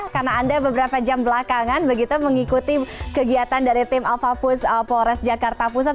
karena anda beberapa jam belakangan begitu mengikuti kegiatan dari tim alfapus polres jakarta pusat